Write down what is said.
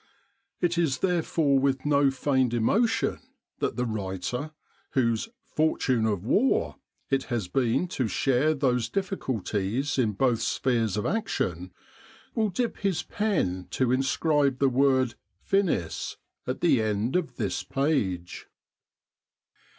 It is therefore with no feigned emotion that the writer, whose * 'fortune of war " it has been to share those difficulties in both spheres of action, will dip his pen to inscribe the word " Finis " at the end of this page.